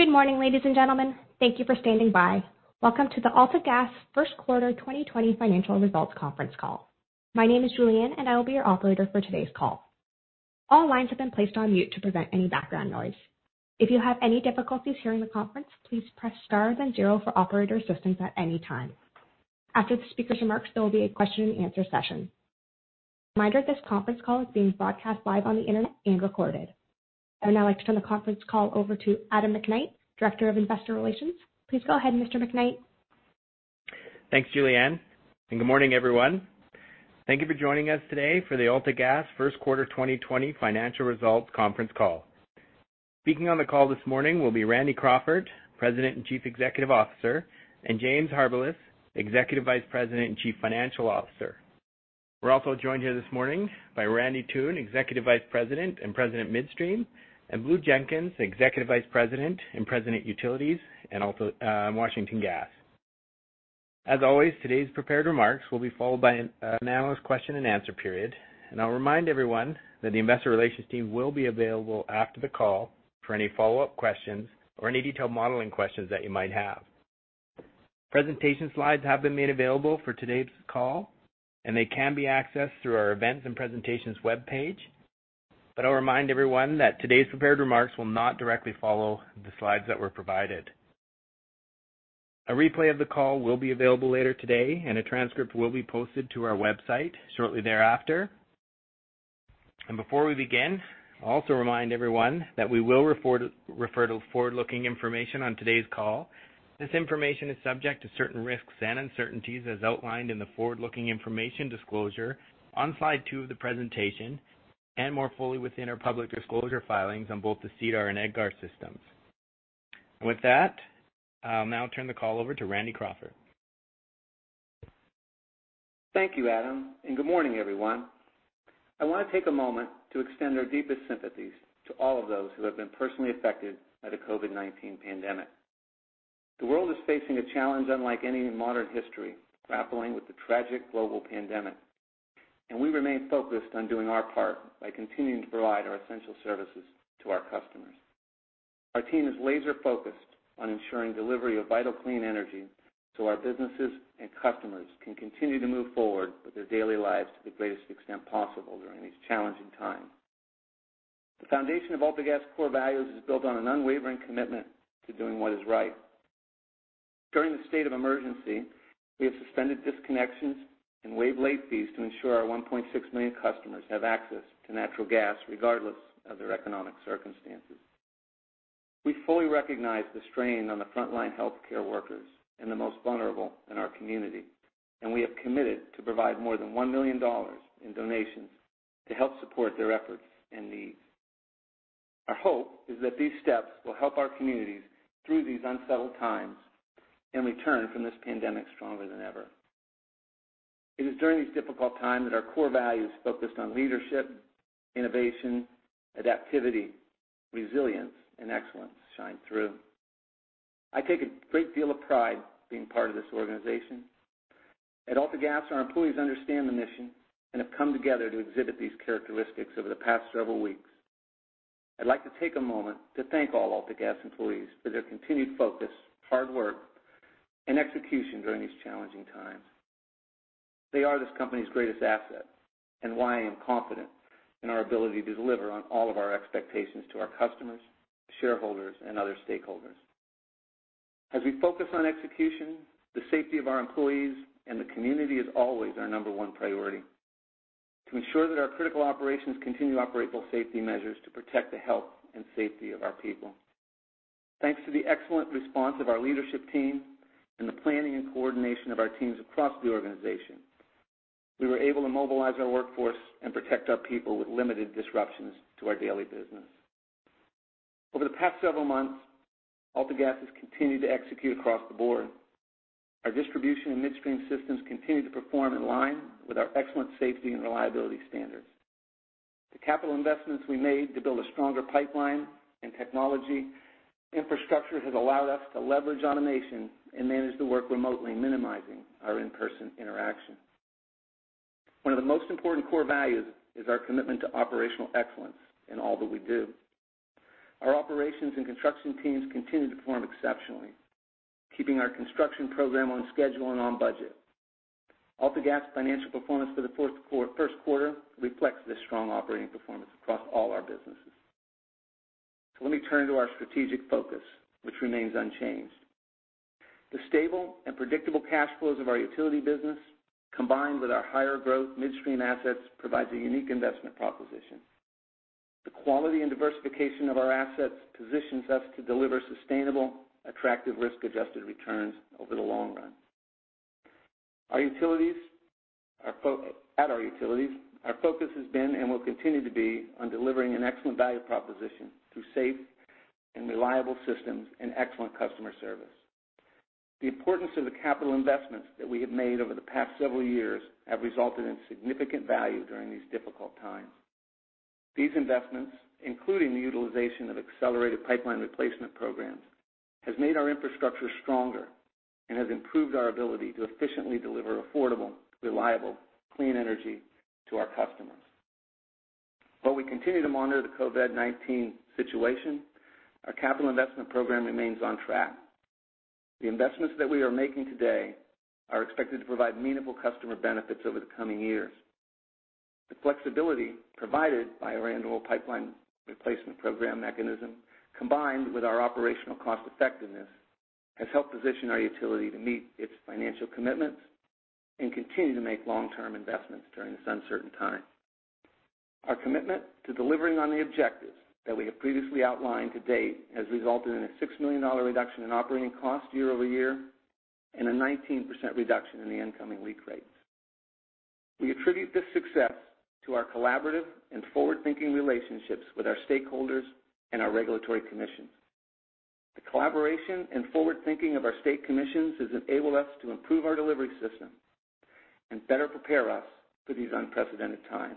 Good morning, ladies and gentlemen. Thank you for standing by. Welcome to the AltaGas First Quarter 2020 Financial Results Conference Call. My name is Julianne, and I will be your operator for today's call. All lines have been placed on mute to prevent any background noise. If you have any difficulties hearing the conference, please press star then zero for operator assistance at any time. After the speakers' remarks, there will be a question and answer session. Reminder, this conference call is being broadcast live on the internet and recorded. I would now like to turn the conference call over to Adam McKnight, Director of Investor Relations. Please go ahead, Mr. McKnight. Thanks, Julianne, and good morning, everyone. Thank you for joining us today for the AltaGas First Quarter 2020 Financial Results Conference Call. Speaking on the call this morning will be Randy Crawford, President and Chief Executive Officer, and James Harbilas, Executive Vice President and Chief Financial Officer. We're also joined here this morning by Randy Toone, Executive Vice President and President, Midstream, and Blue Jenkins, Executive Vice President and President, Utilities in Washington Gas. I'll remind everyone that the investor relations team will be available after the call for any follow-up questions or any detailed modeling questions that you might have. Presentation slides have been made available for today's call, and they can be accessed through our Events and Presentations webpage. I'll remind everyone that today's prepared remarks will not directly follow the slides that were provided. A replay of the call will be available later today, and a transcript will be posted to our website shortly thereafter. Before we begin, I'll also remind everyone that we will refer to forward-looking information on today's call. This information is subject to certain risks and uncertainties as outlined in the forward-looking information disclosure on slide two of the presentation and more fully within our public disclosure filings on both the SEDAR and EDGAR systems. With that, I'll now turn the call over to Randy Crawford. Thank you, Adam. Good morning, everyone. I want to take a moment to extend our deepest sympathies to all of those who have been personally affected by the COVID-19 pandemic. The world is facing a challenge unlike any in modern history, grappling with the tragic global pandemic. We remain focused on doing our part by continuing to provide our essential services to our customers. Our team is laser-focused on ensuring delivery of vital clean energy so our businesses and customers can continue to move forward with their daily lives to the greatest extent possible during these challenging times. The foundation of AltaGas core values is built on an unwavering commitment to doing what is right. During the state of emergency, we have suspended disconnections and waived late fees to ensure our 1.6 million customers have access to natural gas regardless of their economic circumstances. We fully recognize the strain on the frontline healthcare workers and the most vulnerable in our community, and we have committed to provide more than 1 million dollars in donations to help support their efforts and needs. Our hope is that these steps will help our communities through these unsettled times and return from this pandemic stronger than ever. It is during these difficult times that our core values focused on leadership, innovation, adaptivity, resilience, and excellence shine through. I take a great deal of pride being part of this organization. At AltaGas, our employees understand the mission and have come together to exhibit these characteristics over the past several weeks. I'd like to take a moment to thank all AltaGas employees for their continued focus, hard work, and execution during these challenging times. They are this company's greatest asset, and why I am confident in our ability to deliver on all of our expectations to our customers, shareholders, and other stakeholders. As we focus on execution, the safety of our employees and the community is always our number one priority. To ensure that our critical operations continue to operate with safety measures to protect the health and safety of our people. Thanks to the excellent response of our leadership team and the planning and coordination of our teams across the organization, we were able to mobilize our workforce and protect our people with limited disruptions to our daily business. Over the past several months, AltaGas has continued to execute across the board. Our distribution and midstream systems continue to perform in line with our excellent safety and reliability standards. The capital investments we made to build a stronger pipeline and technology infrastructure has allowed us to leverage automation and manage the work remotely, minimizing our in-person interaction. One of the most important core values is our commitment to operational excellence in all that we do. Our operations and construction teams continue to perform exceptionally, keeping our construction program on schedule and on budget. AltaGas financial performance for the first quarter reflects this strong operating performance across all our businesses. Let me turn to our strategic focus, which remains unchanged. The stable and predictable cash flows of our utility business, combined with our higher growth midstream assets, provides a unique investment proposition. The quality and diversification of our assets positions us to deliver sustainable, attractive risk-adjusted returns over the long run. At our utilities, our focus has been, and will continue to be, on delivering an excellent value proposition through safe and reliable systems and excellent customer service. The importance of the capital investments that we have made over the past several years have resulted in significant value during these difficult times. These investments, including the utilization of accelerated pipeline replacement programs has made our infrastructure stronger and has improved our ability to efficiently deliver affordable, reliable, clean energy to our customers. While we continue to monitor the COVID-19 situation, our capital investment program remains on track. The investments that we are making today are expected to provide meaningful customer benefits over the coming years. The flexibility provided by our annual pipeline replacement program mechanism, combined with our operational cost-effectiveness, has helped position our utility to meet its financial commitments and continue to make long-term investments during this uncertain time. Our commitment to delivering on the objectives that we have previously outlined to date has resulted in a 6 million dollar reduction in operating costs year-over-year and a 19% reduction in the incoming leak rates. We attribute this success to our collaborative and forward-thinking relationships with our stakeholders and our regulatory commissions. The collaboration and forward-thinking of our state commissions has enabled us to improve our delivery system and better prepare us for these unprecedented times.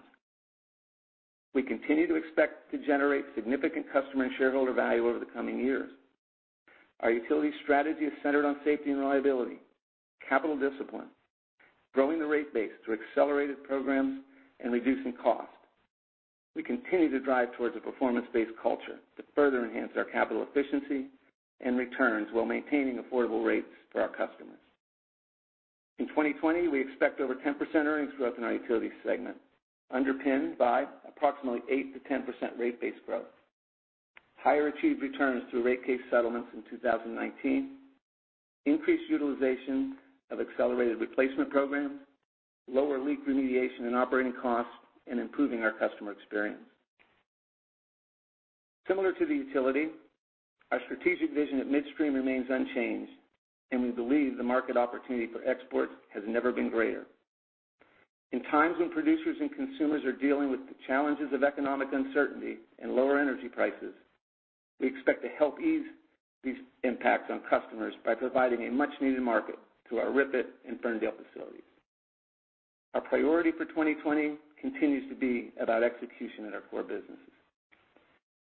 We continue to expect to generate significant customer and shareholder value over the coming years. Our utility strategy is centered on safety and reliability, capital discipline, growing the rate base through accelerated programs, and reducing costs. We continue to drive towards a performance-based culture to further enhance our capital efficiency and returns while maintaining affordable rates for our customers. In 2020, we expect over 10% earnings growth in our utility segment, underpinned by approximately 8%-10% rate base growth, higher achieved returns through rate case settlements in 2019, increased utilization of accelerated replacement programs, lower leak remediation and operating costs, and improving our customer experience. Similar to the utility, our strategic vision at Midstream remains unchanged. We believe the market opportunity for exports has never been greater. In times when producers and consumers are dealing with the challenges of economic uncertainty and lower energy prices, we expect to help ease these impacts on customers by providing a much-needed market to our RIPET and Ferndale facilities. Our priority for 2020 continues to be about execution in our core businesses.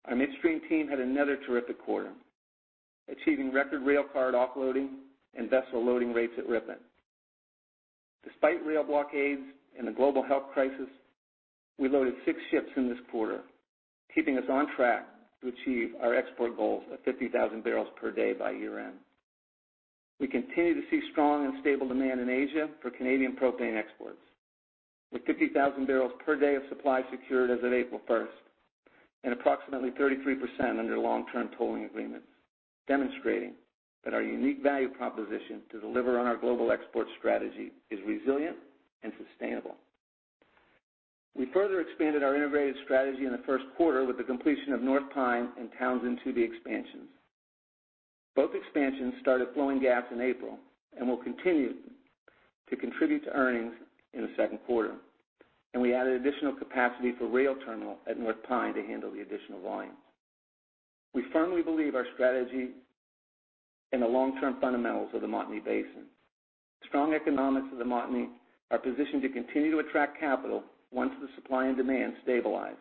Our Midstream team had another terrific quarter, achieving record rail car offloading and vessel loading rates at RIPET. Despite rail blockades and the global health crisis, we loaded six ships in this quarter, keeping us on track to achieve our export goals of 50,000 barrels per day by year-end. We continue to see strong and stable demand in Asia for Canadian propane exports, with 50,000 barrels per day of supply secured as of April 1st and approximately 33% under long-term tolling agreements, demonstrating that our unique value proposition to deliver on our global export strategy is resilient and sustainable. We further expanded our integrated strategy in the first quarter with the completion of North Pine and Townsend 2A expansions. Both expansions started flowing gas in April and will continue to contribute to earnings in the second quarter, and we added additional capacity for rail terminal at North Pine to handle the additional volumes. We firmly believe our strategy and the long-term fundamentals of the Montney Basin. The strong economics of the Montney are positioned to continue to attract capital once the supply and demand stabilize,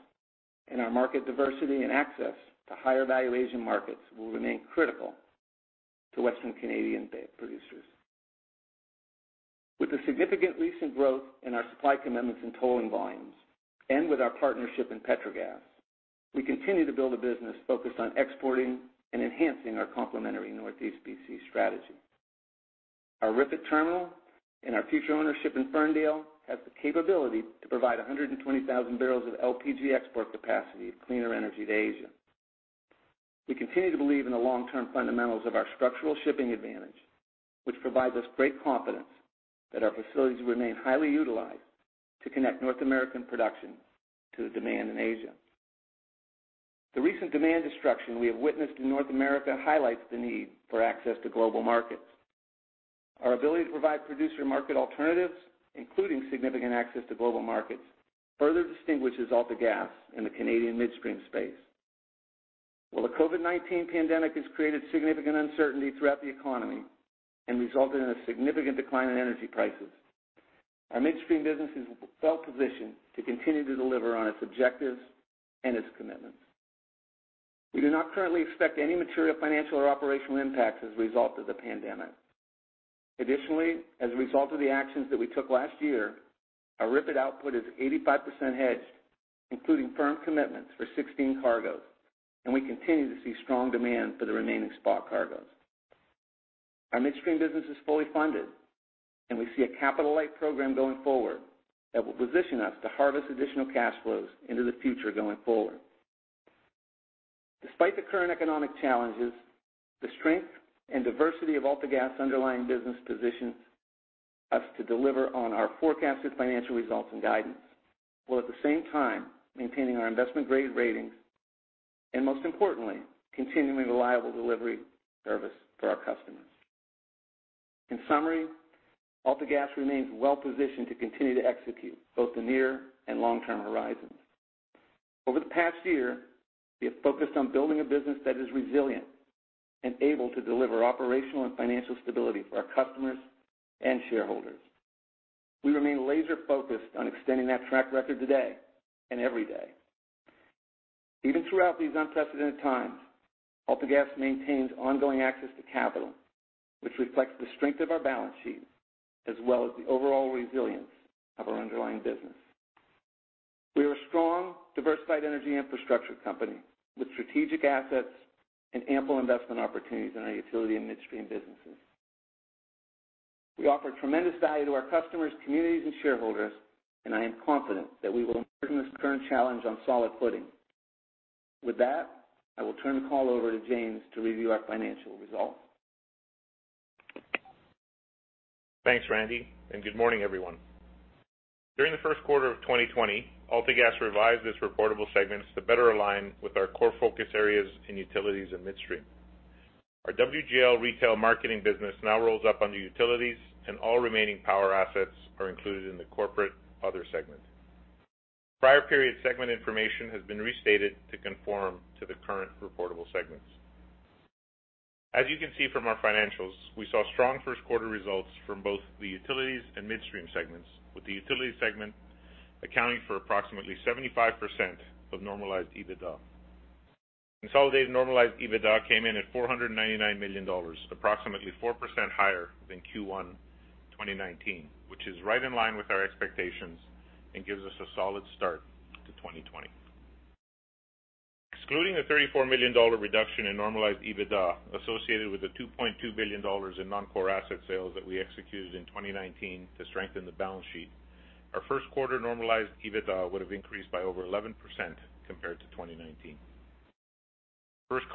and our market diversity and access to higher-valuation markets will remain critical to Western Canadian producers. With the significant recent growth in our supply commitments and tolling volumes, and with our partnership in Petrogas, we continue to build a business focused on exporting and enhancing our complementary Northeast B.C. strategy. Our RIPET terminal and our future ownership in Ferndale has the capability to provide 120,000 barrels of LPG export capacity of cleaner energy to Asia. We continue to believe in the long-term fundamentals of our structural shipping advantage, which provides us great confidence that our facilities remain highly utilized to connect North American production to the demand in Asia. The recent demand destruction we have witnessed in North America highlights the need for access to global markets. Our ability to provide producer market alternatives, including significant access to global markets, further distinguishes AltaGas in the Canadian midstream space. While the COVID-19 pandemic has created significant uncertainty throughout the economy and resulted in a significant decline in energy prices, our midstream business is well-positioned to continue to deliver on its objectives and its commitments. We do not currently expect any material financial or operational impacts as a result of the pandemic. Additionally, as a result of the actions that we took last year, our RIPET output is 85% hedged, including firm commitments for 16 cargoes, and we continue to see strong demand for the remaining spot cargoes. Our midstream business is fully funded, and we see a capital-light program going forward that will position us to harvest additional cash flows into the future going forward. Despite the current economic challenges, the strength and diversity of AltaGas' underlying business positions us to deliver on our forecasted financial results and guidance, while at the same time maintaining our investment-grade ratings and, most importantly, continuing reliable delivery service for our customers. In summary, AltaGas remains well-positioned to continue to execute both the near and long-term horizons. Over the past year, we have focused on building a business that is resilient and able to deliver operational and financial stability for our customers and shareholders. We remain laser-focused on extending that track record today and every day. Even throughout these unprecedented times, AltaGas maintains ongoing access to capital, which reflects the strength of our balance sheet as well as the overall resilience of our underlying business. We are a strong, diversified energy infrastructure company with strategic assets and ample investment opportunities in our utility and midstream businesses. We offer tremendous value to our customers, communities, and shareholders, and I am confident that we will emerge from this current challenge on solid footing. With that, I will turn the call over to James to review our financial results. Thanks, Randy. Good morning, everyone. During the first quarter of 2020, AltaGas revised its reportable segments to better align with our core focus areas in utilities and midstream. Our WGL retail marketing business now rolls up under utilities, and all remaining power assets are included in the Corporate Other Segment. Prior period segment information has been restated to conform to the current reportable segments. As you can see from our financials, we saw strong first-quarter results from both the utilities and midstream segments, with the utility segment accounting for approximately 75% of normalized EBITDA. Consolidated normalized EBITDA came in at 499 million dollars, approximately 4% higher than Q1 2019, which is right in line with our expectations and gives us a solid start to 2020. Excluding the 34 million dollar reduction in normalized EBITDA associated with the 2.2 billion dollars in non-core asset sales that we executed in 2019 to strengthen the balance sheet, our first quarter normalized EBITDA would have increased by over 11% compared to 2019. First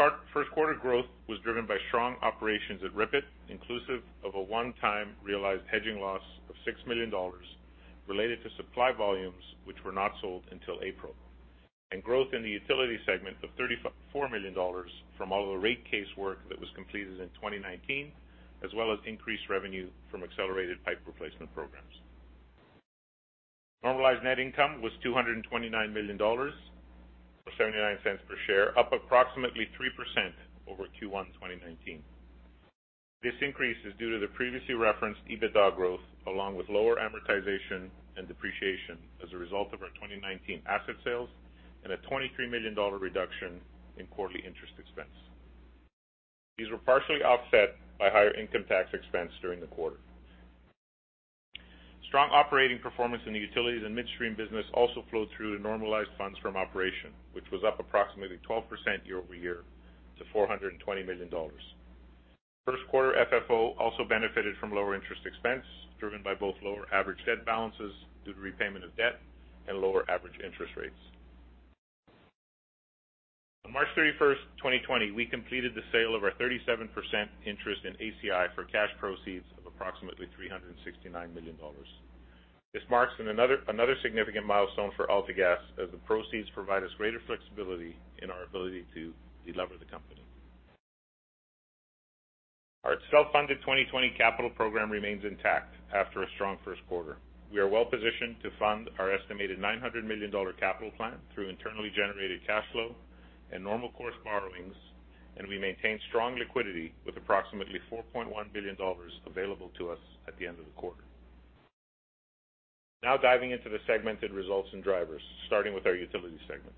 quarter growth was driven by strong operations at RIPET, inclusive of a one-time realized hedging loss of 6 million dollars related to supply volumes which were not sold until April, and growth in the utility segment of 34 million dollars from all the rate case work that was completed in 2019, as well as increased revenue from accelerated pipe replacement programs. Normalized net income was 229 million dollars, or 0.79 per share, up approximately 3% over Q1 2019. This increase is due to the previously referenced EBITDA growth, along with lower amortization and depreciation as a result of our 2019 asset sales and a 23 million dollar reduction in quarterly interest expense. These were partially offset by higher income tax expense during the quarter. Strong operating performance in the Utilities and Midstream business also flowed through to normalized funds from operation, which was up approximately 12% year-over-year to 420 million dollars. First quarter FFO also benefited from lower interest expense, driven by both lower average debt balances due to repayment of debt and lower average interest rates. On March 31st, 2020, we completed the sale of our 37% interest in ACI for cash proceeds of approximately 369 million dollars. This marks another significant milestone for AltaGas as the proceeds provide us greater flexibility in our ability to delever the company. Our self-funded 2020 capital program remains intact after a strong first quarter. We are well-positioned to fund our estimated 900 million dollar capital plan through internally generated cash flow and normal course borrowings. We maintain strong liquidity with approximately 4.1 billion dollars available to us at the end of the quarter. Diving into the segmented results and drivers, starting with our utility segment.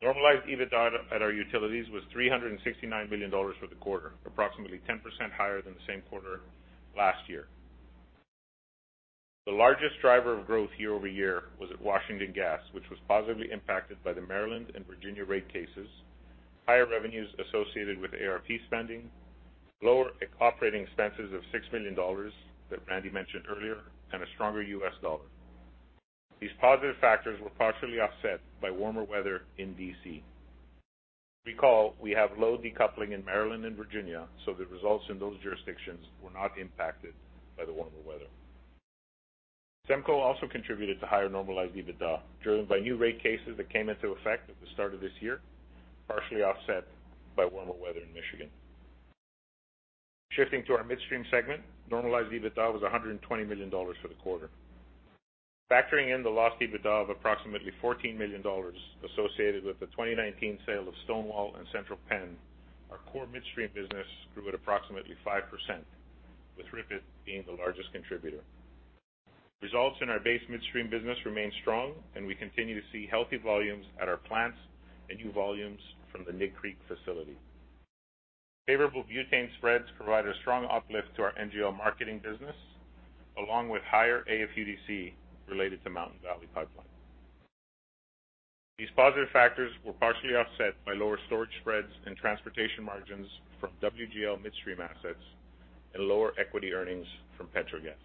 Normalized EBITDA at our utilities was 369 million dollars for the quarter, approximately 10% higher than the same quarter last year. The largest driver of growth year-over-year was at Washington Gas, which was positively impacted by the Maryland and Virginia rate cases, higher revenues associated with ARP spending, lower operating expenses of 6 million dollars that Randy mentioned earlier, and a stronger US dollar. These positive factors were partially offset by warmer weather in D.C. Recall, we have load decoupling in Maryland and Virginia. The results in those jurisdictions were not impacted by the warmer weather. SEMCO also contributed to higher normalized EBITDA, driven by new rate cases that came into effect at the start of this year, partially offset by warmer weather in Michigan. Shifting to our midstream segment, normalized EBITDA was 120 million dollars for the quarter. Factoring in the lost EBITDA of approximately 14 million dollars associated with the 2019 sale of Stonewall and Central Penn, our core midstream business grew at approximately 5%, with RIPET being the largest contributor. Results in our base midstream business remain strong, and we continue to see healthy volumes at our plants and new volumes from the Mid Creek facility. Favorable butane spreads provided a strong uplift to our NGL marketing business, along with higher AFUDC related to Mountain Valley Pipeline. These positive factors were partially offset by lower storage spreads and transportation margins from WGL Midstream assets and lower equity earnings from PetroGas.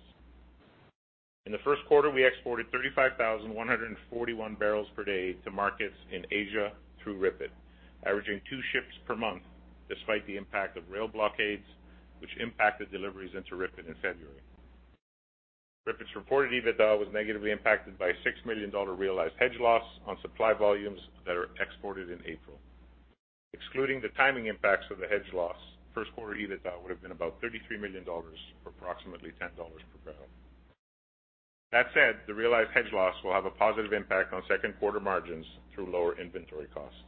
In the first quarter, we exported 35,141 barrels per day to markets in Asia through RIPET, averaging two ships per month despite the impact of rail blockades, which impacted deliveries into RIPET in February. RIPET's reported EBITDA was negatively impacted by a 6 million dollar realized hedge loss on supply volumes that are exported in April. Excluding the timing impacts of the hedge loss, first quarter EBITDA would have been about CAD 33 million, or approximately CAD 10 per barrel. That said, the realized hedge loss will have a positive impact on second quarter margins through lower inventory costs.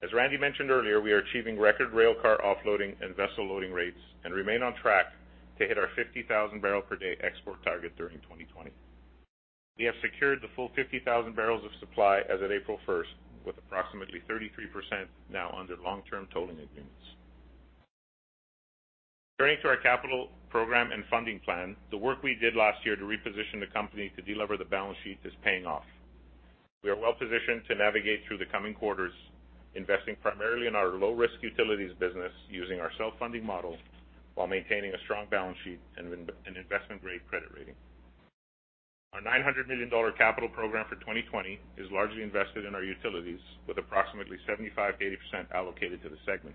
As Randy mentioned earlier, we are achieving record rail car offloading and vessel loading rates and remain on track to hit our 50,000 barrel per day export target during 2020. We have secured the full 50,000 barrels of supply as of April 1st, with approximately 33% now under long-term tolling agreements. Turning to our capital program and funding plan, the work we did last year to reposition the company to delever the balance sheet is paying off. We are well-positioned to navigate through the coming quarters, investing primarily in our low-risk utilities business using our self-funding model, while maintaining a strong balance sheet and an investment-grade credit rating. Our 900 million dollar capital program for 2020 is largely invested in our utilities, with approximately 75%-80% allocated to the segment.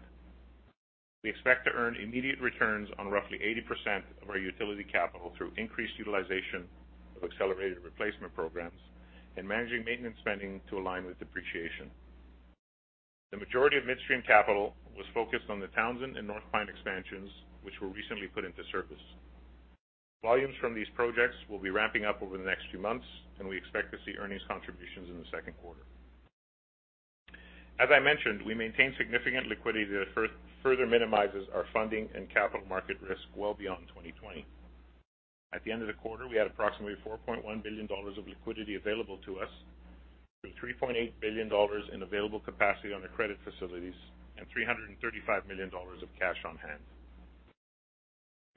We expect to earn immediate returns on roughly 80% of our utility capital through increased utilization of accelerated replacement programs, and managing maintenance spending to align with depreciation. The majority of midstream capital was focused on the Townsend and North Pine expansions, which were recently put into service. Volumes from these projects will be ramping up over the next few months. We expect to see earnings contributions in the second quarter. As I mentioned, we maintain significant liquidity that further minimizes our funding and capital market risk well beyond 2020. At the end of the quarter, we had approximately 4.1 billion dollars of liquidity available to us, with 3.8 billion dollars in available capacity on the credit facilities and 335 million dollars of cash on hand.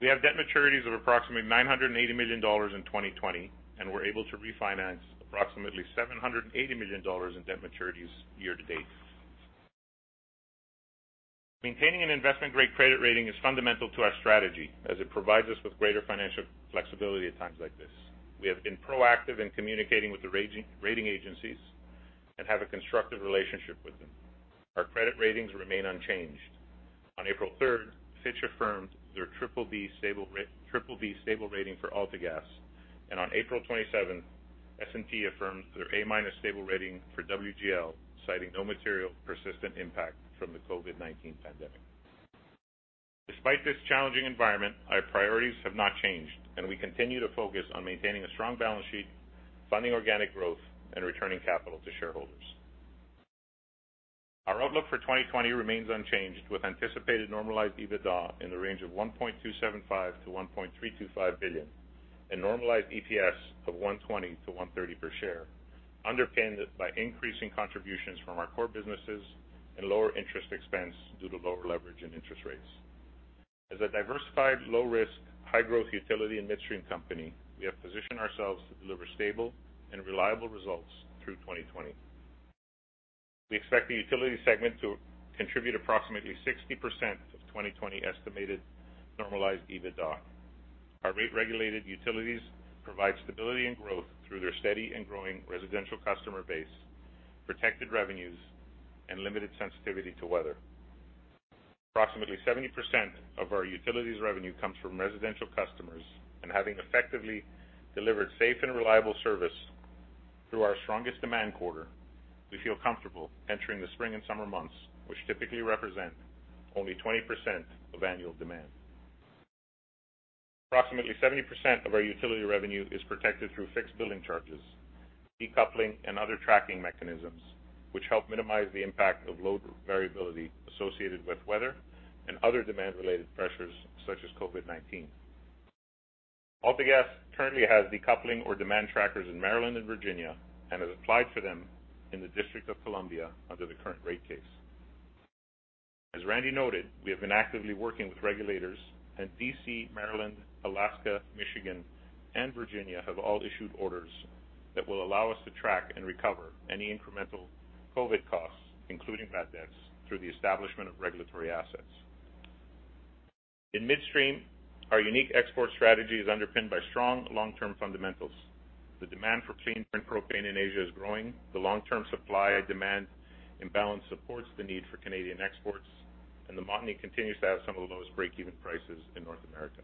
We have debt maturities of approximately 980 million dollars in 2020, and we're able to refinance approximately 780 million dollars in debt maturities year to date. Maintaining an investment-grade credit rating is fundamental to our strategy, as it provides us with greater financial flexibility at times like this. We have been proactive in communicating with the rating agencies and have a constructive relationship with them. Our credit ratings remain unchanged. On April 3rd, Fitch affirmed their BBB stable rating for AltaGas. On April 27th, S&P affirmed their A- stable rating for WGL, citing no material persistent impact from the COVID-19 pandemic. Despite this challenging environment, our priorities have not changed. We continue to focus on maintaining a strong balance sheet, funding organic growth, and returning capital to shareholders. Our outlook for 2020 remains unchanged, with anticipated normalized EBITDA in the range of 1.275 billion-1.325 billion. Normalized EPS of 1.20-1.30 per share, underpinned by increasing contributions from our core businesses and lower interest expense due to lower leverage and interest rates. As a diversified, low-risk, high-growth utility and midstream company, we have positioned ourselves to deliver stable and reliable results through 2020. We expect the utility segment to contribute approximately 60% of 2020 estimated normalized EBITDA. Our rate-regulated utilities provide stability and growth through their steady and growing residential customer base, protected revenues, and limited sensitivity to weather. Approximately 70% of our utilities revenue comes from residential customers, and having effectively delivered safe and reliable service through our strongest demand quarter, we feel comfortable entering the spring and summer months, which typically represent only 20% of annual demand. Approximately 70% of our utility revenue is protected through fixed billing charges, decoupling, and other tracking mechanisms, which help minimize the impact of load variability associated with weather and other demand-related pressures such as COVID-19. AltaGas currently has decoupling or demand trackers in Maryland and Virginia, and has applied for them in the District of Columbia under the current rate case. As Randy noted, we have been actively working with regulators and D.C., Maryland, Alaska, Michigan, and Virginia have all issued orders that will allow us to track and recover any incremental COVID-19 costs, including bad debts, through the establishment of regulatory assets. In midstream, our unique export strategy is underpinned by strong long-term fundamentals. The demand for clean propane in Asia is growing. The long-term supply-demand imbalance supports the need for Canadian exports. The Montney continues to have some of the lowest breakeven prices in North America.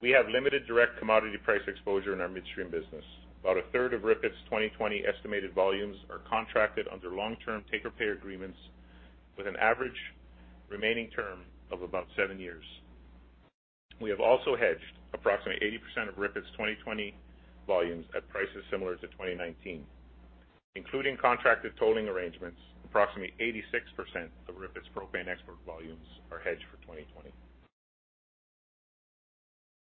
We have limited direct commodity price exposure in our midstream business. About a third of RIPET's 2020 estimated volumes are contracted under long-term take-or-pay agreements with an average remaining term of about seven years. We have also hedged approximately 80% of RIPET's 2020 volumes at prices similar to 2019. Including contracted tolling arrangements, approximately 86% of RIPET's propane export volumes are hedged for 2020.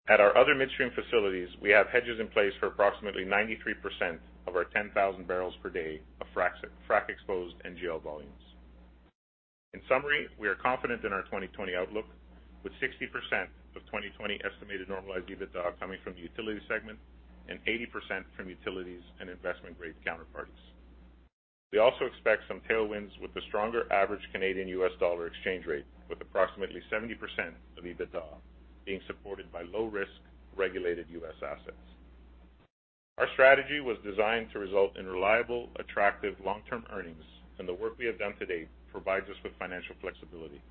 At our other midstream facilities, we have hedges in place for approximately 93% of our 10,000 barrels per day of frac-exposed NGL volumes. In summary, we are confident in our 2020 outlook, with 60% of 2020 estimated normalized EBITDA coming from the utility segment and 80% from utilities and investment-grade counterparties. We also expect some tailwinds with the stronger average Canadian/US dollar exchange rate, with approximately 70% of EBITDA being supported by low-risk regulated U.S. assets. Our strategy was designed to result in reliable, attractive, long-term earnings, and the work we have done to date provides us with financial flexibility.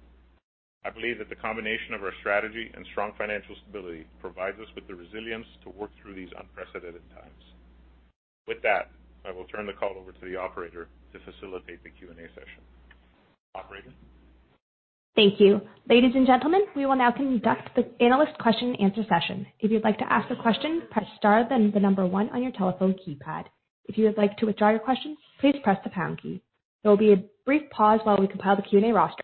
I believe that the combination of our strategy and strong financial stability provides us with the resilience to work through these unprecedented times. With that, I will turn the call over to the operator to facilitate the Q&A session. Operator. Thank you. Ladies and gentlemen, we will now conduct the analyst question and answer session. If you'd like to ask a question, press star, then the number one on your telephone keypad. If you would like to withdraw your question, please press the pound key. There will be a brief pause while we compile the Q&A roster.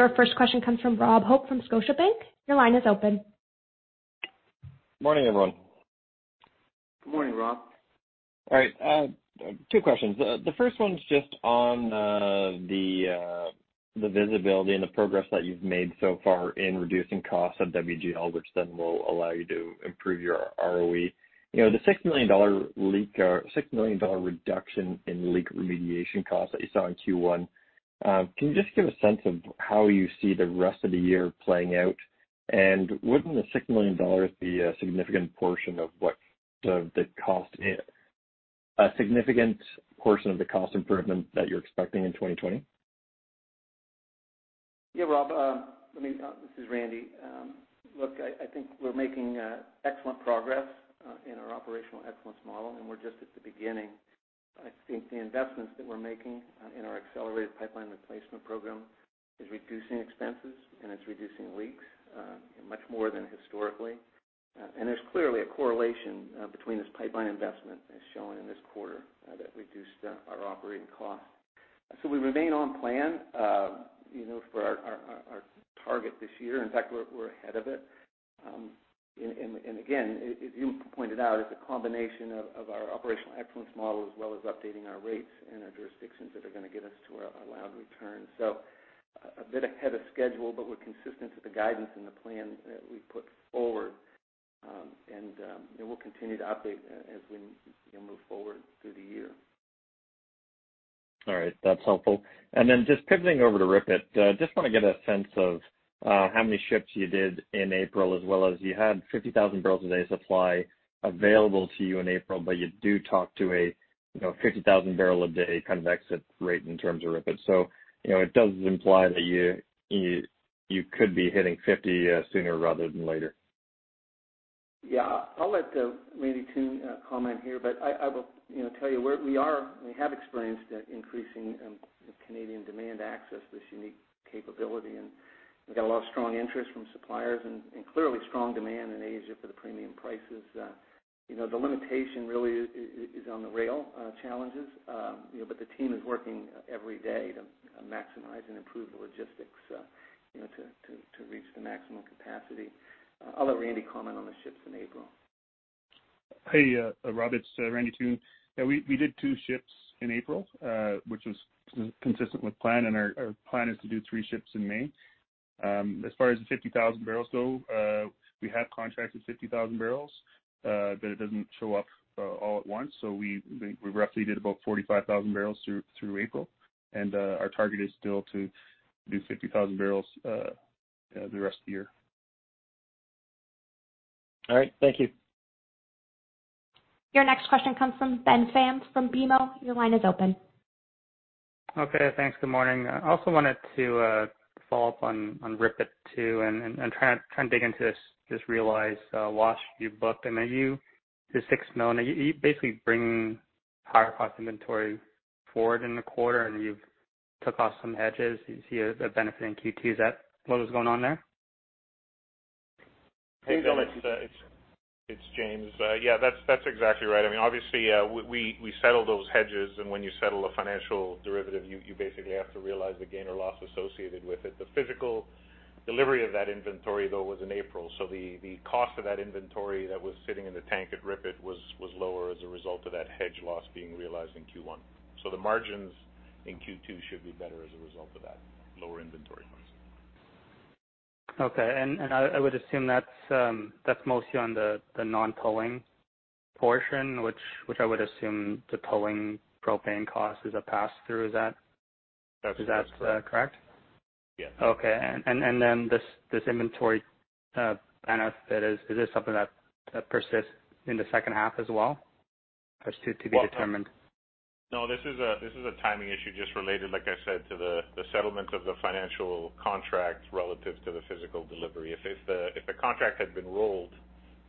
Your first question comes from Rob Hope from Scotiabank. Your line is open. Morning, everyone. Good morning, Rob. All right. Two questions. The first one's just on the visibility and the progress that you've made so far in reducing costs at WGL, which then will allow you to improve your ROE. The 6 million dollar reduction in leak remediation costs that you saw in Q1, can you just give a sense of how you see the rest of the year playing out? Wouldn't the CAD 6 million be a significant portion of the cost improvement that you're expecting in 2020? Yeah, Rob. This is Randy. Look, I think we're making excellent progress in our operational excellence model, and we're just at the beginning. I think the investments that we're making in our accelerated pipeline replacement program is reducing expenses, and it's reducing leaks much more than historically. There's clearly a correlation between this pipeline investment as shown in this quarter, that reduced our operating costs. We remain on plan for our target this year. In fact, we're ahead of it. Again, as you pointed out, it's a combination of our operational excellence model as well as updating our rates and our jurisdictions that are going to get us to our allowed return. A bit ahead of schedule, but we're consistent with the guidance and the plan that we put forward. We'll continue to update as we move forward through the year. All right. That's helpful. Just pivoting over to RIPET. Just want to get a sense of how many ships you did in April, as well as you had 50,000 barrels a day supply available to you in April, but you do talk to a 50,000 barrel a day kind of exit rate in terms of RIPET. It does imply that you could be hitting 50 sooner rather than later. I'll let Randy Toone comment here, but I will tell you where we are. We have experienced increasing Canadian demand access, this unique capability, and we've got a lot of strong interest from suppliers and clearly strong demand in Asia for the premium prices. The limitation really is on the rail challenges. The team is working every day to maximize and improve the logistics to reach the maximum capacity. I'll let Randy comment on the ships in April. Hey, Rob. It's Randy Toone. Yeah, we did two ships in April, which was consistent with plan, and our plan is to do three ships in May. As far as the 50,000 barrels go, we have contracted 50,000 barrels, but it doesn't show up all at once. We roughly did about 45,000 barrels through April, and our target is still to do 50,000 barrels the rest of the year. All right. Thank you. Your next question comes from Ben Pham from BMO. Your line is open. Okay. Thanks. Good morning. I also wanted to follow up on RIPET too, and try and dig into this realized wash you booked. The 6 million, you basically bring higher cost inventory forward in the quarter, and you've took off some hedges. Do you see a benefit in Q2? Is that what was going on there? Please, James. Hey, Ben. It's James. Yeah, that's exactly right. Obviously, we settled those hedges, and when you settle a financial derivative, you basically have to realize the gain or loss associated with it. The physical delivery of that inventory, though, was in April. The cost of that inventory that was sitting in the tank at RIPET was lower as a result of that hedge loss being realized in Q1. The margins in Q2 should be better as a result of that lower inventory. Okay. I would assume that's mostly on the non-pulling portion, which I would assume the pulling propane cost is a pass-through. Is that correct? Yes. Okay. Then this inventory benefit, is this something that persists in the second half as well? It's still to be determined? This is a timing issue, just related, like I said, to the settlement of the financial contract relative to the physical delivery. If the contract had been rolled,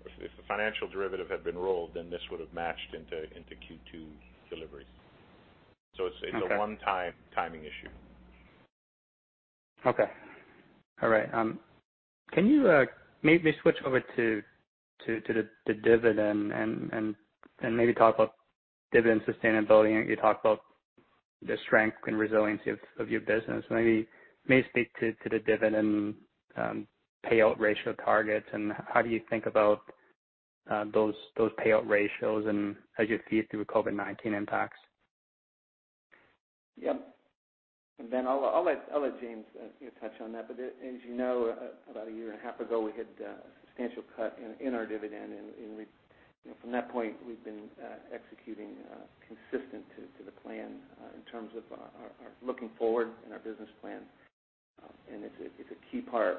or if the financial derivative had been rolled, then this would have matched into Q2 deliveries. Okay. It's a one-time timing issue. Okay. All right. Can you maybe switch over to the dividend and maybe talk about dividend sustainability? You talked about the strength and resiliency of your business. Maybe speak to the dividend payout ratio targets. How do you think about those payout ratios and as you see it through COVID-19 impacts? Yep. Ben, I'll let James touch on that. As you know, about a year and a half ago, we had a substantial cut in our dividend, from that point, we've been executing consistent to the plan in terms of our looking forward in our business plan. It's a key part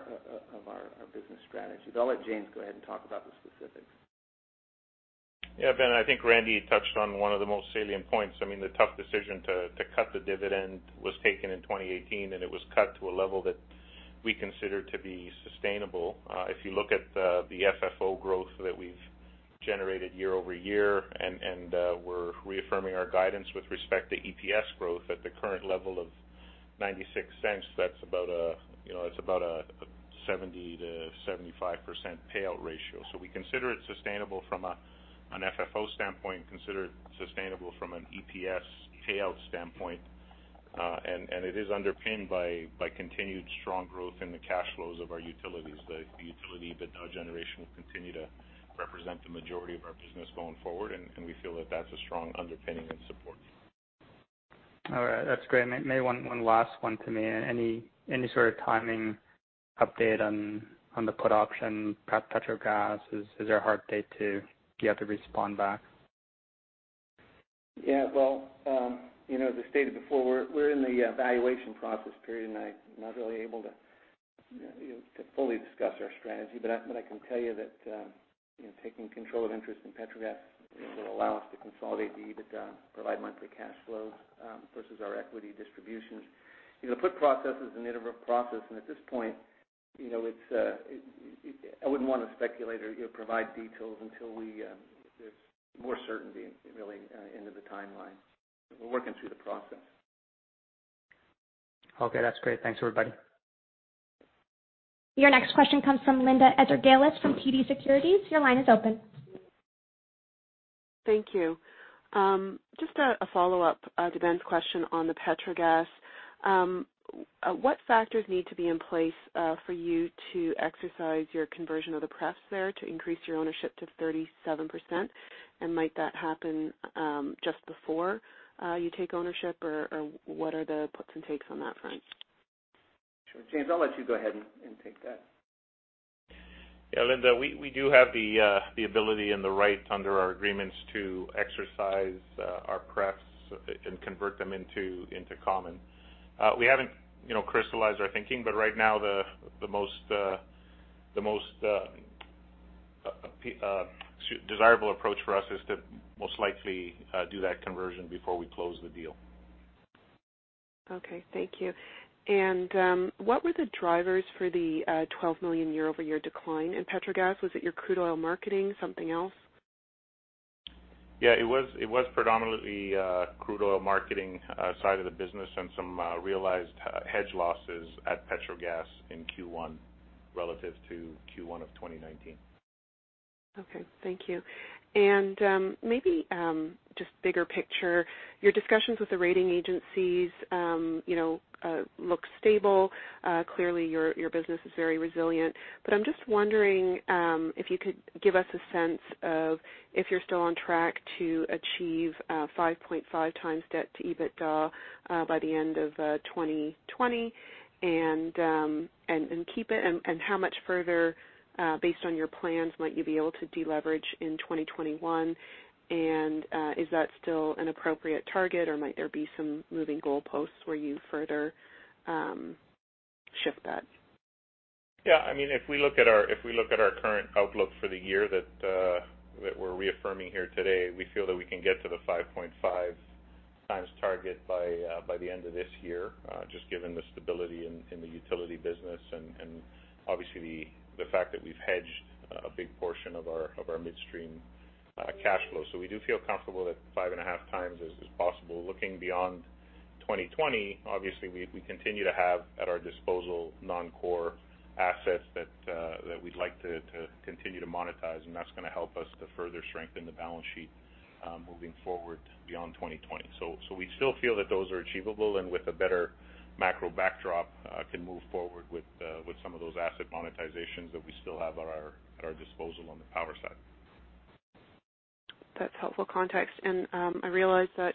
of our business strategy. I'll let James go ahead and talk about the specifics. Yeah, Ben, I think Randy touched on one of the most salient points. The tough decision to cut the dividend was taken in 2018, and it was cut to a level that we consider to be sustainable. If you look at the FFO growth that we've generated year-over-year, and we're reaffirming our guidance with respect to EPS growth at the current level of 0.96. That's about a 70%-75% payout ratio. We consider it sustainable from an FFO standpoint, consider it sustainable from an EPS payout standpoint. It is underpinned by continued strong growth in the cash flows of our utilities. The utility, the generation will continue to represent the majority of our business going forward, and we feel that that's a strong underpinning and support. All right. That's great. Maybe one last one from me. Any sort of timing update on the put option, Petrogas? Is there a hard date to, do you have to respond back? Yeah. Well, as I stated before, we're in the evaluation process period, and I'm not really able to fully discuss our strategy. I can tell you that, taking control of interest in Petrogas will allow us to consolidate the EBITDA, provide monthly cash flows, versus our equity distributions. The put process is an iterative process, and at this point, I wouldn't want to speculate or provide details until there's more certainty, really, into the timeline. We're working through the process. Okay. That's great. Thanks, everybody. Your next question comes from Linda Ezergailis from TD Securities. Your line is open. Thank you. Just a follow-up to Ben's question on the Petrogas. What factors need to be in place for you to exercise your conversion of the pref there to increase your ownership to 37%? Might that happen just before you take ownership, or what are the puts and takes on that front? Sure. James, I'll let you go ahead and take that. Linda, we do have the ability and the right under our agreements to exercise our prefs and convert them into common. We haven't crystallized our thinking, but right now the most desirable approach for us is to most likely do that conversion before we close the deal. Okay. Thank you. What were the drivers for the 12 million year-over-year decline in Petrogas? Was it your crude oil marketing, something else? Yeah, it was predominantly crude oil marketing side of the business and some realized hedge losses at Petrogas in Q1 relative to Q1 of 2019. Okay. Thank you. Maybe just bigger picture, your discussions with the rating agencies look stable. Clearly, your business is very resilient, but I'm just wondering if you could give us a sense of if you're still on track to achieve 5.5 times debt-to-EBITDA by the end of 2020, and keep it, and how much further, based on your plans, might you be able to deleverage in 2021? Is that still an appropriate target, or might there be some moving goalposts where you further shift that? Yeah, if we look at our current outlook for the year that we're reaffirming here today, we feel that we can get to the 5.5 times target by the end of this year, just given the stability in the utility business and obviously the fact that we've hedged a big portion of our midstream cash flow. We do feel comfortable that 5.5 times is possible. Looking beyond 2020, obviously, we continue to have at our disposal non-core assets that we'd like to continue to monetize, and that's going to help us to further strengthen the balance sheet moving forward beyond 2020. We still feel that those are achievable and with a better macro backdrop, can move forward with some of those asset monetizations that we still have at our disposal on the power side. That's helpful context. I realize that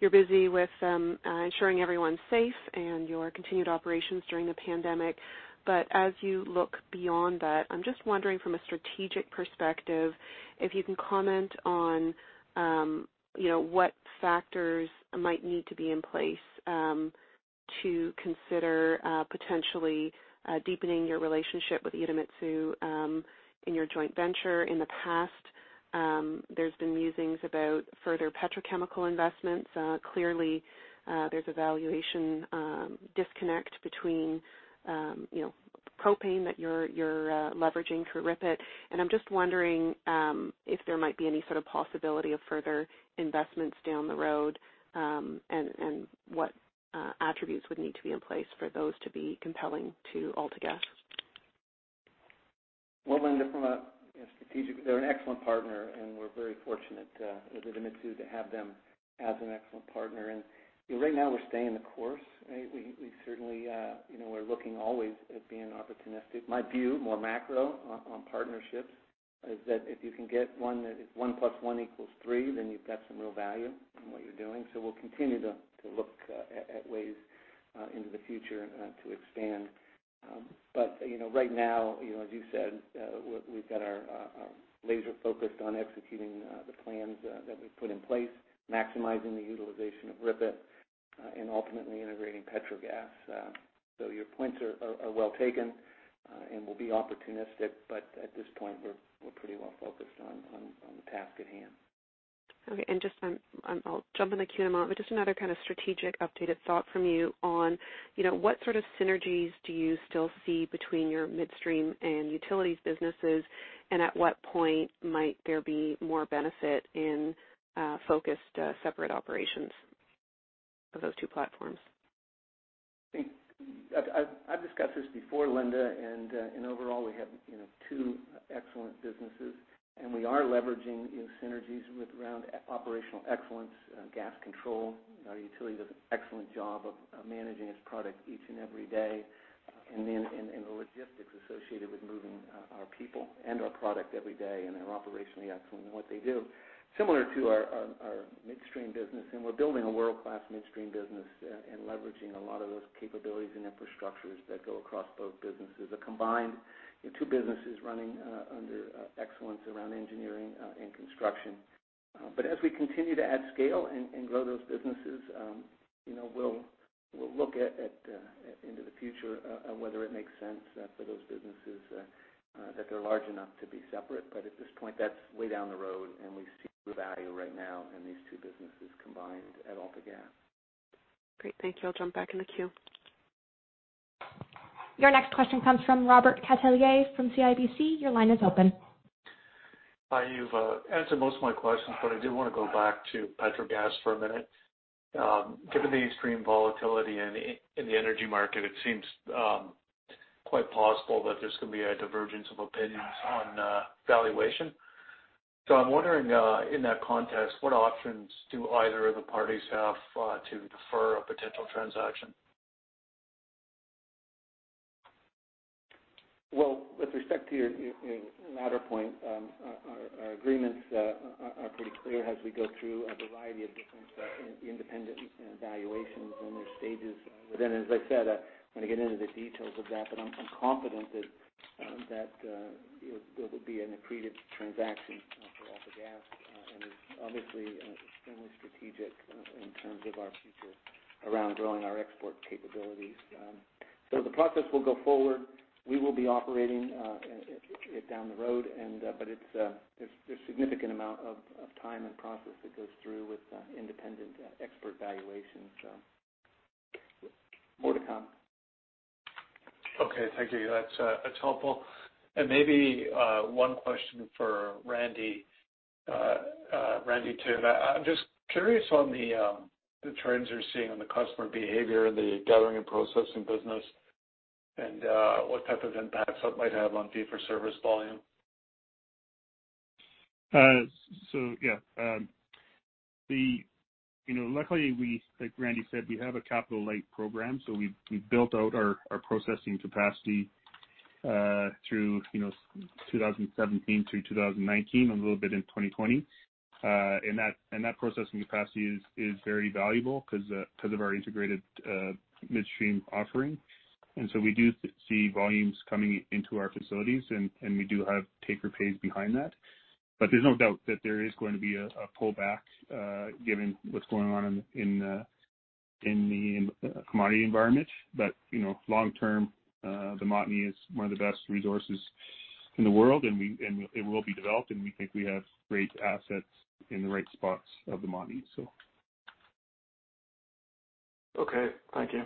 you're busy with ensuring everyone's safe and your continued operations during the pandemic, but as you look beyond that, I'm just wondering from a strategic perspective, if you can comment on what factors might need to be in place to consider potentially deepening your relationship with Idemitsu in your joint venture. In the past, there's been musings about further petrochemical investments. Clearly, there's a valuation disconnect between propane that you're leveraging through RIPET, and I'm just wondering if there might be any sort of possibility of further investments down the road, and what attributes would need to be in place for those to be compelling to AltaGas. Well, Linda, they're an excellent partner, and we're very fortunate with Idemitsu to have them as an excellent partner. Right now we're staying the course. We certainly are looking always at being opportunistic. My view, more macro on partnerships is that if you can get one that is one plus one equals three, then you've got some real value in what you're doing. We'll continue to look at ways into the future to expand. Right now, as you said, we've got our laser focused on executing the plans that we've put in place, maximizing the utilization of RIPET, and ultimately integrating Petrogas. Your points are well taken, and we'll be opportunistic, but at this point, we're pretty well focused on the task at hand. Okay. I'll jump in the queue, Ama, but just another kind of strategic updated thought from you on what sort of synergies do you still see between your midstream and utilities businesses, and at what point might there be more benefit in focused, separate operations of those two platforms? I've discussed this before, Linda, overall we have two excellent businesses, and we are leveraging synergies around operational excellence, gas control. Our utility does an excellent job of managing its product each and every day. Then the logistics associated with moving our people and our product every day and are operationally excellent in what they do, similar to our midstream business. We're building a world-class midstream business and leveraging a lot of those capabilities and infrastructures that go across both businesses. A combined two businesses running under excellence around engineering and construction. As we continue to add scale and grow those businesses, we'll look into the future whether it makes sense for those businesses, that they're large enough to be separate. At this point, that's way down the road, and we see value right now in these two businesses combined at AltaGas. Great. Thank you. I'll jump back in the queue. Your next question comes from Robert Catellier from CIBC. Your line is open. Hi. You've answered most of my questions, but I did want to go back to Petrogas for a minute. Given the extreme volatility in the energy market, it seems quite possible that there's going to be a divergence of opinions on valuation. I'm wondering, in that context, what options do either of the parties have to defer a potential transaction? Well, with respect to your latter point, our agreements are pretty clear as we go through a variety of different independent valuations in their stages. As I said, I don't want to get into the details of that, but I'm confident that it will be an accretive transaction for AltaGas, and is obviously extremely strategic in terms of our future around growing our export capabilities. The process will go forward. We will be operating it down the road, but there's a significant amount of time and process that goes through with independent expert valuations. More to come. Okay. Thank you. That's helpful. Maybe one question for Randy Toone. I'm just curious on the trends you're seeing on the customer behavior in the gathering and processing business, and what type of impacts that might have on fee-for-service volume. Yeah. Luckily, like Randy said, we have a capital-light program, so we built out our processing capacity through 2017 to 2019, a little bit in 2020. That processing capacity is very valuable because of our integrated midstream offering. We do see volumes coming into our facilities, and we do have take or pays behind that. There's no doubt that there is going to be a pullback, given what's going on in the commodity environment. Long-term, the Montney is one of the best resources in the world, and it will be developed, and we think we have great assets in the right spots of the Montney. Okay. Thank you.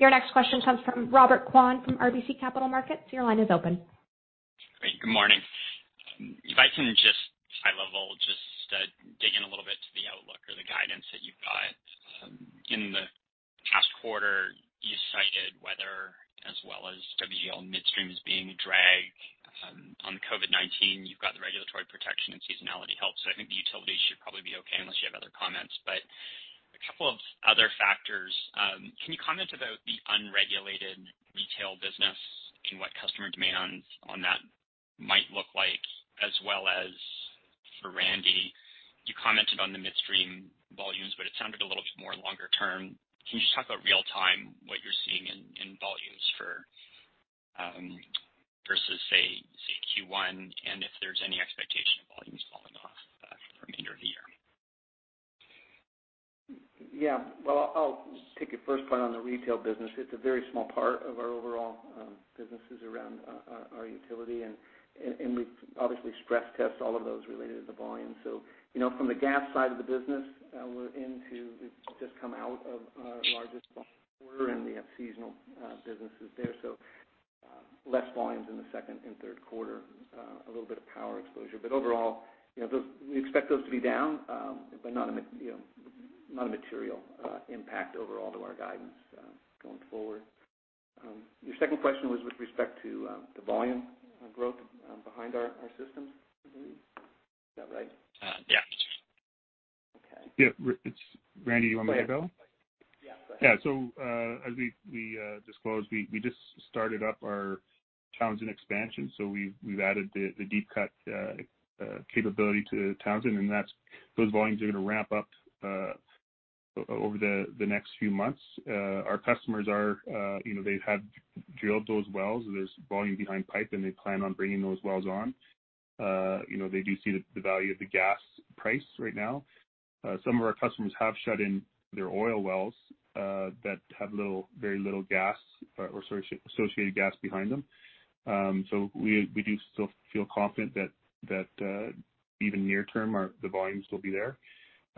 Your next question comes from Robert Kwan from RBC Capital Markets. Your line is open. Great. Good morning. If I can just high level, just dig in a little bit to the outlook or the guidance that you've got. In the past quarter, you cited weather as well as WGL Midstream as being a drag. On COVID-19, you've got the regulatory protection and seasonality help. I think the utility should probably be okay unless you have other comments. A couple of other factors. Can you comment about the unregulated retail business and what customer demand on that might look like? As well as for Randy, you commented on the midstream volumes. It sounded a little bit more longer term. Can you just talk about real time, what you're seeing in volumes versus, say, Q1? If there's any expectation of volumes falling off for the remainder of the year? Well, I'll take your first point on the retail business. It's a very small part of our overall businesses around our utility, and we obviously stress test all of those related to the volume. From the gas side of the business, we've just come out of our largest quarter, and we have seasonal businesses there, so less volumes in the second and third quarter. A little bit of power exposure. Overall, we expect those to be down, but not a material impact overall to our guidance going forward. Your second question was with respect to the volume growth behind our systems, I believe. Is that right? Yeah. Okay. Yeah. Randy, you want me to go? Yeah. Go ahead. As we disclosed, we just started up our Townsend expansion, so we've added the deep cut capability to Townsend, and those volumes are going to ramp up over the next few months. Our customers, they have drilled those wells. There is volume behind pipe, and they plan on bringing those wells on. They do see the value of the gas price right now. Some of our customers have shut in their oil wells that have very little gas or associated gas behind them. We do still feel confident that even near term, the volumes will be there.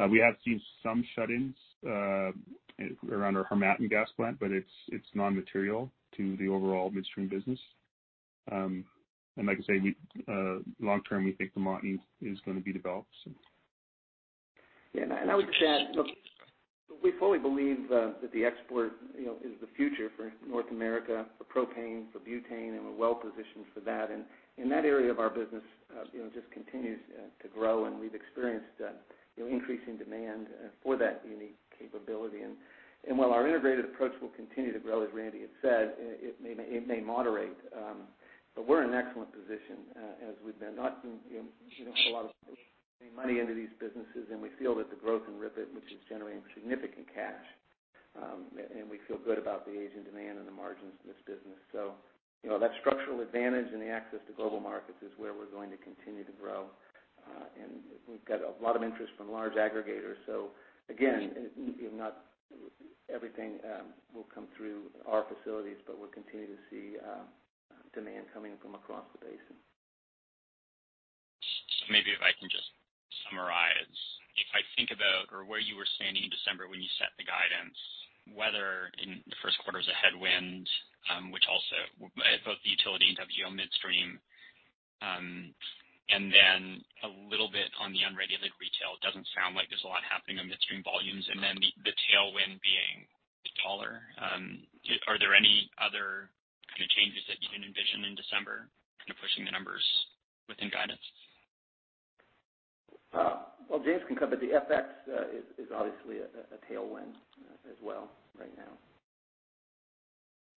We have seen some shut-ins around our Harmattan gas plant, but it is non-material to the overall midstream business. Like I said, long term, we think the Montney is going to be developed. Yeah, I would just add, look, we fully believe that the export is the future for North America, for propane, for butane, and we're well-positioned for that. That area of our business just continues to grow, and we've experienced increasing demand for that unique capability. While our integrated approach will continue to grow, as Randy had said, it may moderate. We're in an excellent position as we've not put a lot of money into these businesses, and we feel that the growth in RIPET, which is generating significant cash. We feel good about the Asian demand and the margins in this business. That structural advantage and the access to global markets is where we're going to continue to grow. We've got a lot of interest from large aggregators. Again, not everything will come through our facilities, but we'll continue to see demand coming from across the basin. Maybe if I can just summarize. If I think about where you were standing in December when you set the guidance, weather in the first quarter is a headwind, which also at both the utility and WGL Midstream. Then a little bit on the unregulated retail, it doesn't sound like there's a lot happening on midstream volumes, and then the tailwind being AltaGas. Are there any other kind of changes that you can envision in December kind of pushing the numbers within guidance? Well, James can cover the FX is obviously a tailwind as well right now.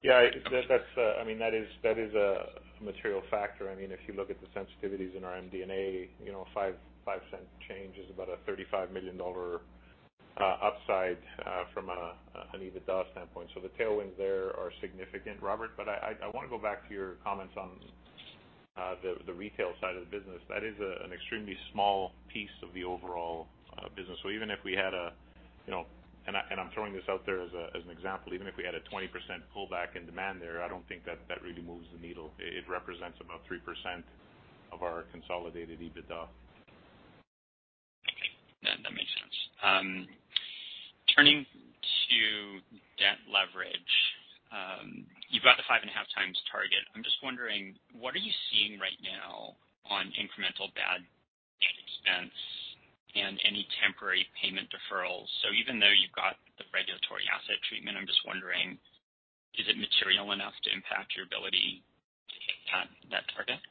That is a material factor. If you look at the sensitivities in our MD&A, a 0.05 change is about a 35 million dollar upside from an EBITDA standpoint. The tailwinds there are significant, Robert. I want to go back to your comments on the retail side of the business. That is an extremely small piece of the overall business. I'm throwing this out there as an example. Even if we had a 20% pullback in demand there, I don't think that that really moves the needle. It represents about 3% of our consolidated EBITDA. Okay. That makes sense. Turning to debt leverage. You've got the 5.5x target. I'm just wondering, what are you seeing right now on incremental bad debt expense and any temporary payment deferrals? Even though you've got the regulatory asset treatment, I'm just wondering, is it material enough to impact your ability to hit that target?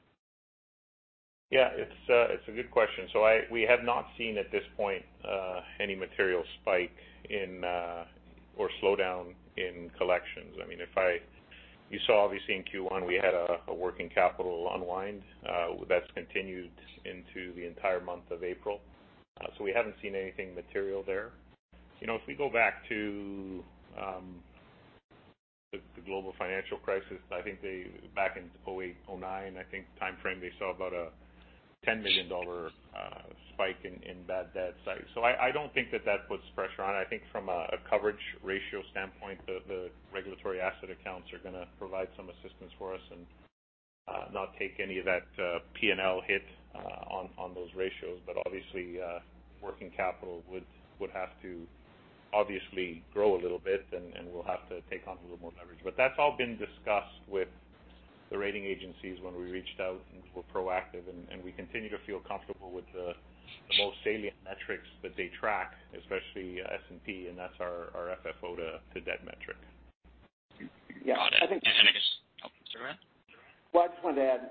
Yeah, it's a good question. We have not seen at this point any material spike or slowdown in collections. You saw obviously in Q1, we had a working capital unwind. That's continued into the entire month of April. We haven't seen anything material there. If we go back to the global financial crisis, back in 2008, 2009, I think timeframe, they saw about a 10 million dollar spike in bad debt. I don't think that that puts pressure on it. I think from a coverage ratio standpoint, the regulatory asset accounts are going to provide some assistance for us and not take any of that P&L hit on those ratios. Obviously, working capital would have to obviously grow a little bit, and we'll have to take on a little more leverage. That's all been discussed with the rating agencies when we reached out and were proactive, and we continue to feel comfortable with the most salient metrics that they track, especially S&P, and that's our FFO-to-debt metric. Yeah. Got it. I guess, oh, sorry. Well, I just wanted to add,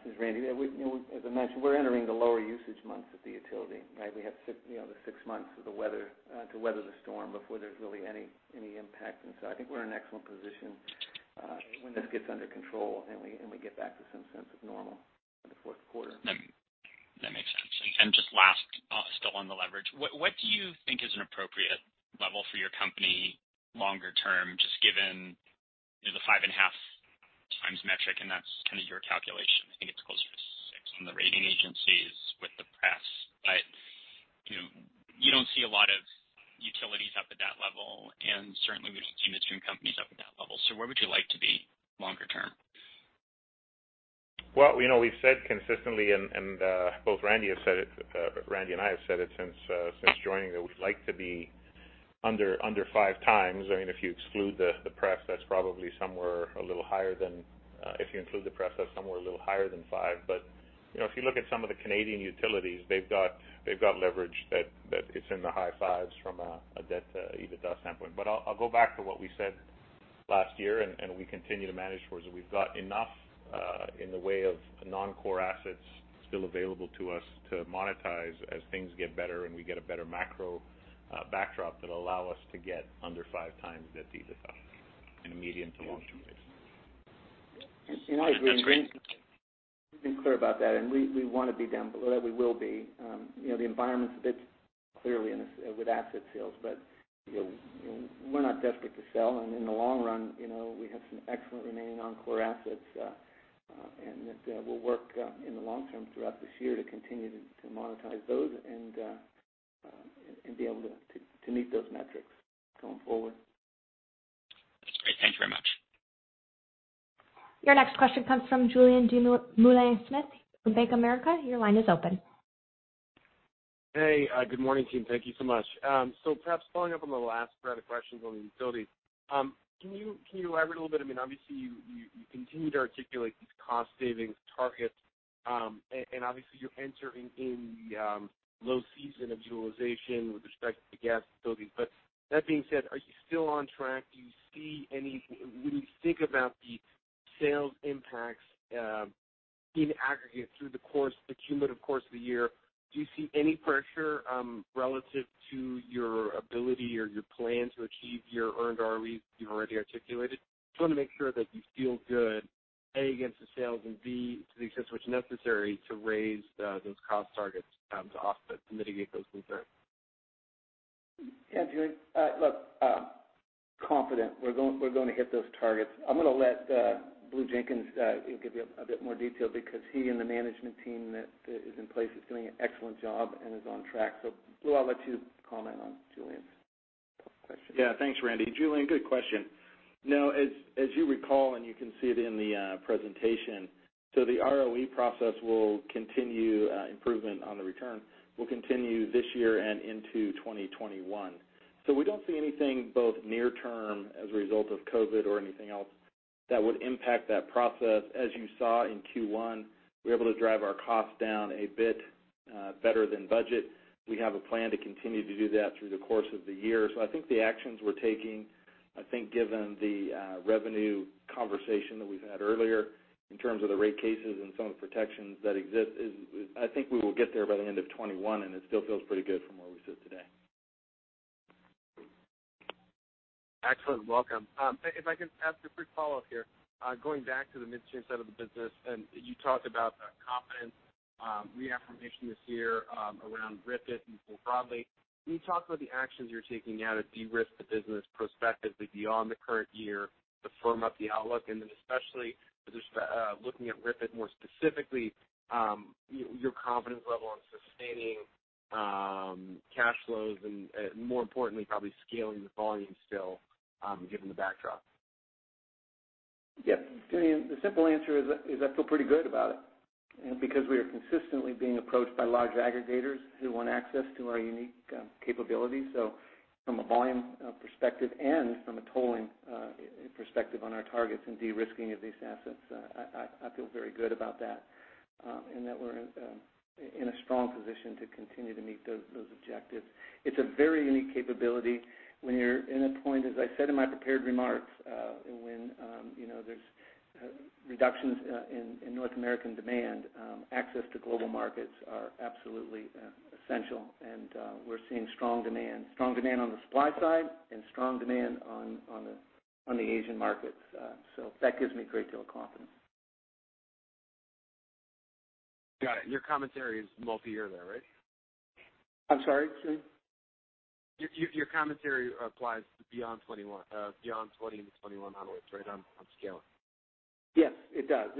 since Randy, as I mentioned, we're entering the lower usage months at the utility, right? We have the six months to weather the storm before there's really any impact. I think we're in an excellent position when this gets under control and we get back to some sense of normal in the fourth quarter. That makes sense. Just last, still on the leverage. What do you think is an appropriate level for your company longer term, just given the five and a half times metric, and that's kind of your calculation. I think it's closer to six on the rating agencies with the PREP. You don't see a lot of utilities up at that level, and certainly we don't see midstream companies up at that level. Where would you like to be longer term? Well, we've said consistently, and both Randy and I have said it since joining, that we'd like to be under 5 times. If you include the PREP, that's somewhere a little higher than 5. If you look at some of the Canadian utilities, they've got leverage that it's in the high 5s from a debt-to-EBITDA standpoint. I'll go back to what we said last year, and we continue to manage towards it. We've got enough in the way of non-core assets still available to us to monetize as things get better and we get a better macro backdrop that allow us to get under five times debt-to-EBITDA in a medium to long-term basis. I agree. That's great. Been clear about that, and we want to be down below that. We will be. The environment's a bit clearly with asset sales, we're not desperate to sell. In the long run, we have some excellent remaining non-core assets. That we'll work in the long term throughout this year to continue to monetize those and be able to meet those metrics going forward. Great. Thank you very much. Your next question comes from Julien Dumoulin-Smith from Bank of America. Your line is open. Hey, good morning, team. Thank you so much. Perhaps following up on the last round of questions on the utilities. Can you elaborate a little bit? Obviously, you continue to articulate these cost-saving targets, and obviously you're entering in the low season of utilization with respect to the gas facilities. That being said, are you still on track? When you think about the sales impacts in aggregate through the cumulative course of the year, do you see any pressure relative to your ability or your plan to achieve your earned ROEs you've already articulated? I just want to make sure that you feel good, A, against the sales, and B, to the extent which necessary to raise those cost targets to offset, to mitigate those concerns. Yeah, Julien. Look, confident we're going to hit those targets. I'm going to let Blue Jenkins give you a bit more detail because he and the management team that is in place is doing an excellent job and is on track. Blu, I'll let you comment on Julien's question. Yeah, thanks, Randy. Julien, good question. As you recall, you can see it in the presentation, the ROE process will continue improvement on the return, will continue this year and into 2021. We don't see anything both near term as a result of COVID or anything else that would impact that process. As you saw in Q1, we were able to drive our costs down a bit better than budget. We have a plan to continue to do that through the course of the year. I think the actions we're taking, I think given the revenue conversation that we've had earlier in terms of the rate cases and some of the protections that exist is I think we will get there by the end of 2021, it still feels pretty good from where we sit today. Excellent. Welcome. If I can ask a quick follow-up here, going back to the midstream side of the business, and you talked about confidence, reaffirmation this year around RIPET and more broadly. Can you talk about the actions you're taking now to de-risk the business prospectively beyond the current year to firm up the outlook? Especially just looking at RIPET more specifically, your confidence level on sustaining cash flows and more importantly, probably scaling the volume still given the backdrop? Yeah. Julien, the simple answer is I feel pretty good about it. We are consistently being approached by large aggregators who want access to our unique capabilities. From a volume perspective and from a tolling perspective on our targets and de-risking of these assets, I feel very good about that, in that we are in a strong position to continue to meet those objectives. It is a very unique capability when you are in a point, as I said in my prepared remarks, when there are reductions in North American demand, access to global markets are absolutely essential, and we are seeing strong demand. Strong demand on the supply side and strong demand on the Asian markets. That gives me a great deal of confidence. Got it. Your commentary is multi-year there, right? I'm sorry, Julien? Your commentary applies beyond 2020 and 2021 onwards, right, on scaling? Yes, it does.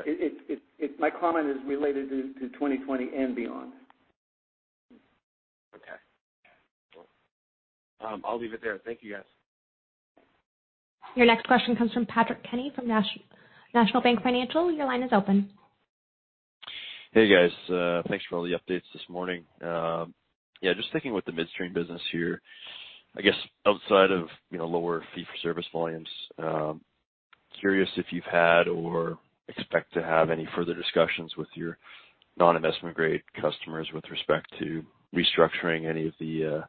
Okay. My comment is related to 2020 and beyond. Okay. Cool. I'll leave it there. Thank you, guys. Your next question comes from Patrick Kenny from National Bank Financial. Your line is open. Hey, guys. Thanks for all the updates this morning. Just sticking with the midstream business here. I guess outside of lower fee-for-service volumes, curious if you've had or expect to have any further discussions with your non-investment-grade customers with respect to restructuring any of the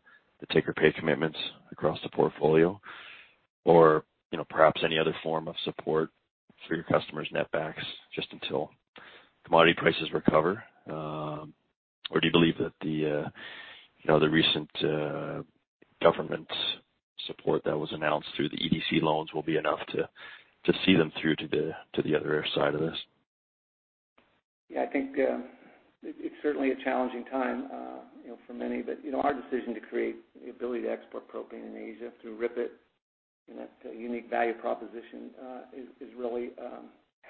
take-or-pay commitments across the portfolio. Perhaps any other form of support for your customers' netbacks just until commodity prices recover? Do you believe that the recent government support that was announced through the EDC loans will be enough to see them through to the other side of this? Yeah, I think it's certainly a challenging time for many. Our decision to create the ability to export propane in Asia through RIPET, that unique value proposition is really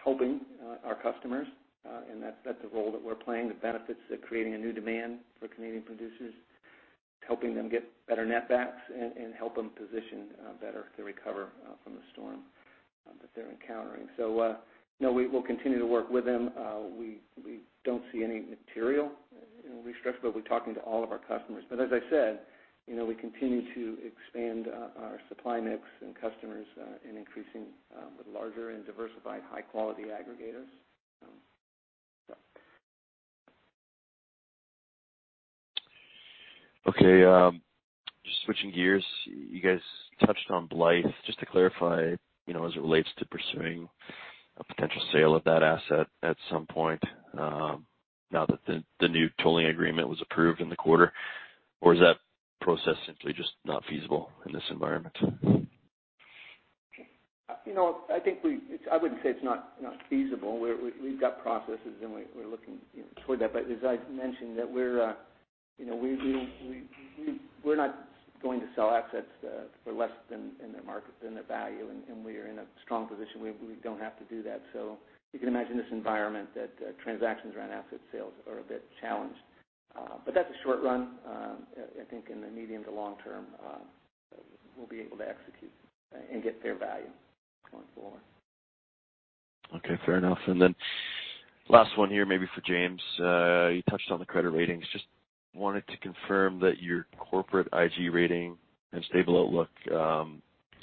helping our customers. That's the role that we're playing. The benefits of creating a new demand for Canadian producers, helping them get better netbacks and help them position better to recover from the storm that they're encountering. No, we will continue to work with them. We don't see any material restructure, but we're talking to all of our customers. As I said, we continue to expand our supply mix and customers and increasing with larger and diversified high-quality aggregators. Okay. Just switching gears. You guys touched on Blythe. Just to clarify as it relates to pursuing a potential sale of that asset at some point now that the new tolling agreement was approved in the quarter, or is that process simply just not feasible in this environment? I wouldn't say it's not feasible. We've got processes and we're looking toward that. As I mentioned that We're not going to sell assets for less than their market, than their value, and we are in a strong position. We don't have to do that. You can imagine in this environment that transactions around asset sales are a bit challenged. That's a short run. I think in the medium to long term, we'll be able to execute and get fair value going forward. Okay, fair enough. Last one here, maybe for James. You touched on the credit ratings. Just wanted to confirm that your corporate IG rating and stable outlook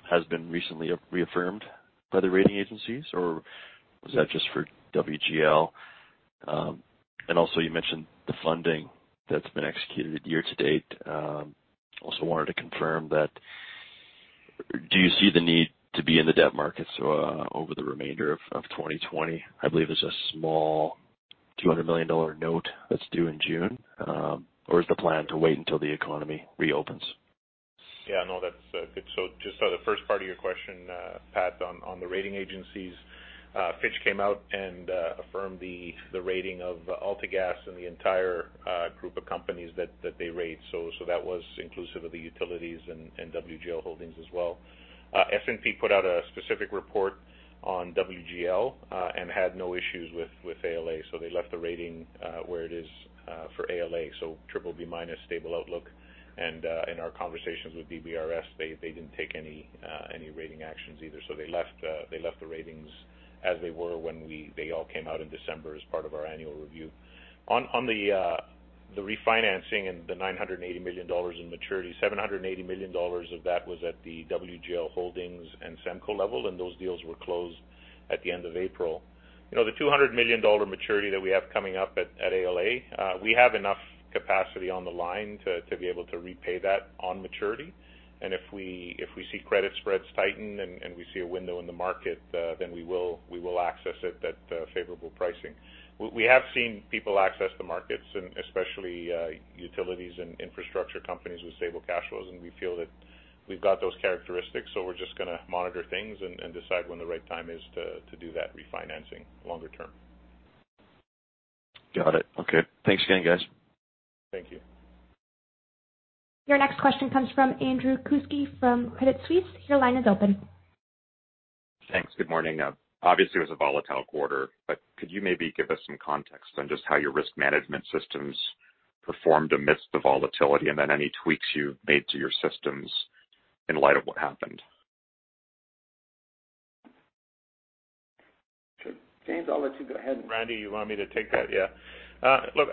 has been recently reaffirmed by the rating agencies, or was that just for WGL? You mentioned the funding that's been executed year to date. Also wanted to confirm that, do you see the need to be in the debt market over the remainder of 2020? I believe there's a small 200 million dollar note that's due in June, or is the plan to wait until the economy reopens? Yeah, no, that's good. Just on the first part of your question, Pat, on the rating agencies, Fitch came out and affirmed the rating of AltaGas and the entire group of companies that they rate. That was inclusive of the utilities and WGL Holdings as well. S&P put out a specific report on WGL and had no issues with ALA, so they left the rating where it is for ALA, so BBB- stable outlook. In our conversations with DBRS, they didn't take any rating actions either. They left the ratings as they were when they all came out in December as part of our annual review. On the refinancing and the 980 million dollars in maturity, 780 million dollars of that was at the WGL Holdings and SEMCO level, and those deals were closed at the end of April. The 200 million dollar maturity that we have coming up at AltaGas, we have enough capacity on the line to be able to repay that on maturity. If we see credit spreads tighten and we see a window in the market, then we will access it at favorable pricing. We have seen people access the markets, and especially utilities and infrastructure companies with stable cash flows, and we feel that we've got those characteristics. We're just going to monitor things and decide when the right time is to do that refinancing longer term. Got it. Okay. Thanks again, guys. Thank you. Your next question comes from Andrew Kuske from Credit Suisse. Your line is open. Thanks. Good morning. Obviously, it was a volatile quarter, but could you maybe give us some context on just how your risk management systems performed amidst the volatility, and then any tweaks you've made to your systems in light of what happened? Sure. James, I'll let you go ahead. Randy, you want me to take that? Yeah. Look,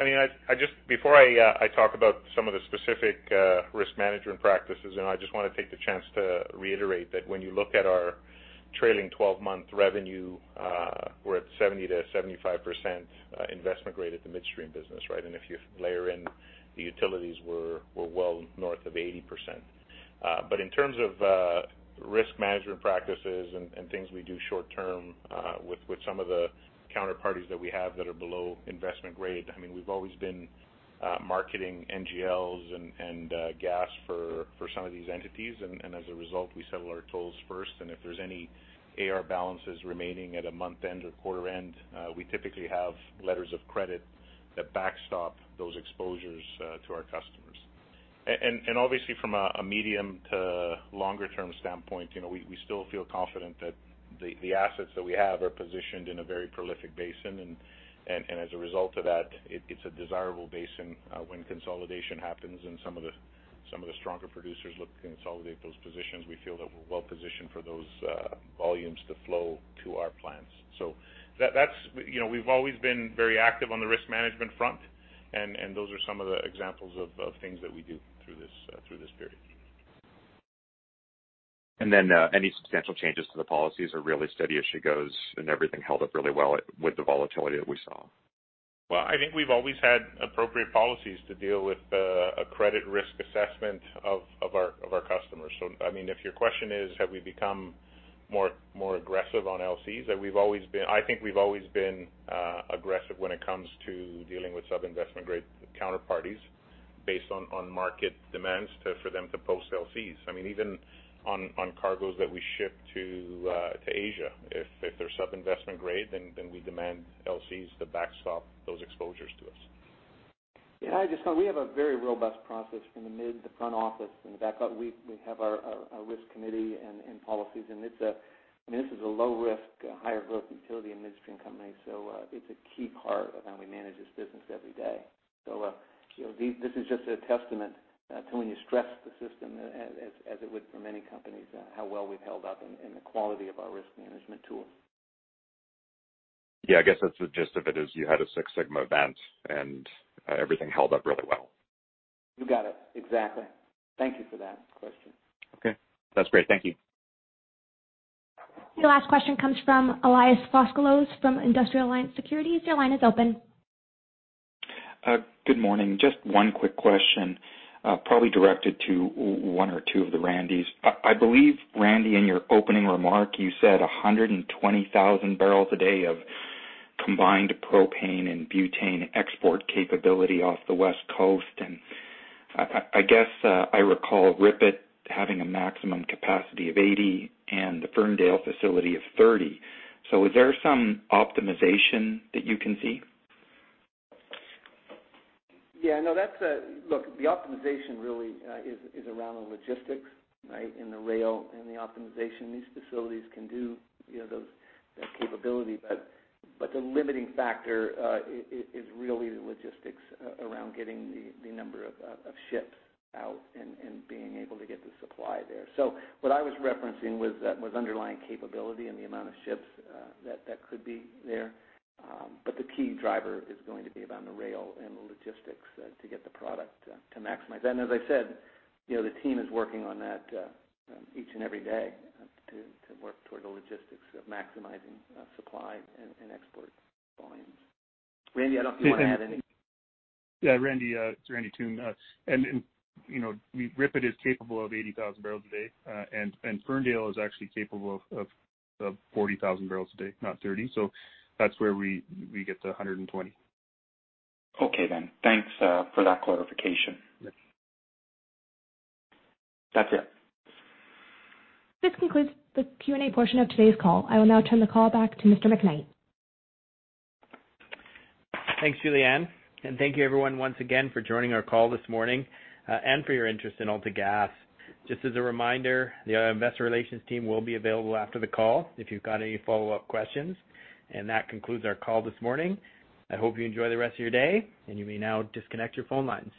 before I talk about some of the specific risk management practices, I just want to take the chance to reiterate that when you look at our trailing 12-month revenue, we're at 70%-75% investment grade at the midstream business. If you layer in the utilities, we're well north of 80%. In terms of risk management practices and things we do short term with some of the counterparties that we have that are below investment grade, we've always been marketing NGLs and gas for some of these entities, and as a result, we settle our tolls first, and if there's any AR balances remaining at a month-end or quarter end, we typically have letters of credit that backstop those exposures to our customers. Obviously, from a medium to longer term standpoint, we still feel confident that the assets that we have are positioned in a very prolific basin, and as a result of that, it's a desirable basin when consolidation happens and some of the stronger producers look to consolidate those positions. We feel that we're well-positioned for those volumes to flow to our plants. We've always been very active on the risk management front, and those are some of the examples of things that we do through this period. Any substantial changes to the policies or really steady as she goes and everything held up really well with the volatility that we saw? Well, I think we've always had appropriate policies to deal with a credit risk assessment of our customers. If your question is, have we become more aggressive on LCs? I think we've always been aggressive when it comes to dealing with sub-investment-grade counterparties based on market demands for them to post LCs. Even on cargoes that we ship to Asia, if they're sub-investment grade, then we demand LCs to backstop those exposures to us. Yeah, I just thought we have a very robust process from the mid, the front office, and the back office. We have our risk committee and policies, and this is a low risk, higher growth utility and midstream company. It's a key part of how we manage this business every day. This is just a testament to when you stress the system, as it would for many companies, how well we've held up and the quality of our risk management tools. Yeah, I guess that's the gist of it is you had a Six Sigma event and everything held up really well. You got it. Exactly. Thank you for that question. Okay. That's great. Thank you. Your last question comes from Elias Foscolos from Industrial Alliance Securities. Your line is open. Good morning. Just one quick question, probably directed to one or two of the Randy's. I believe, Randy, in your opening remark, you said 120,000 barrels a day of combined propane and butane export capability off the West Coast. I guess, I recall RIPET having a maximum capacity of 80 and the Ferndale facility of 30. Is there some optimization that you can see? Yeah, no. Look, the optimization really is around the logistics, and the rail and the optimization. These facilities can do that capability. The limiting factor is really the logistics around getting the number of ships out and being able to get the supply there. What I was referencing was underlying capability and the amount of ships that could be there. The key driver is going to be around the rail and the logistics to get the product to maximize that. As I said, the team is working on that each and every day to work toward the logistics of maximizing supply and export volumes. Randy, I don't know if you want to add anything. Yeah, Randy. It's Randy Toone. RIPET is capable of 80,000 barrels a day. Ferndale is actually capable of 40,000 barrels a day, not 30. That's where we get the 120. Okay. Thanks for that clarification. Yep. That's it. This concludes the Q&A portion of today's call. I will now turn the call back to Mr. McKnight. Thanks, Julianne, and thank you everyone once again for joining our call this morning and for your interest in AltaGas. Just as a reminder, the investor relations team will be available after the call if you've got any follow-up questions. That concludes our call this morning. I hope you enjoy the rest of your day, and you may now disconnect your phone lines.